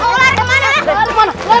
mau lari kemana ya